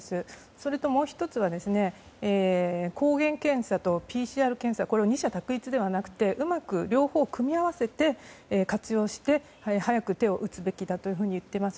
それと、もう１つは抗原検査とＰＣＲ検査二者択一ではなくて両方組み合わせて活用して早く手を打つべきだと言っています。